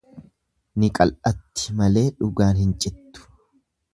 Ni qal'atti malee dhugaan hin cittu.